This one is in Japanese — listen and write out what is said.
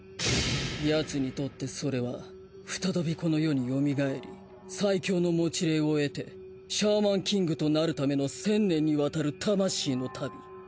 ヤツにとってそれは再びこの世によみがえり最強の持霊を得てシャーマンキングとなるための１０００年にわたる魂の旅。